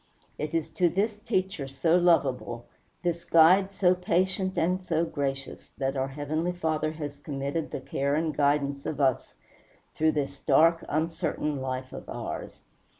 It is to this Teacher so lovable, this Guide so patient and so gracious, that our Heavenly Father has committed the care and guidance of us through this dark, uncertain life of ours.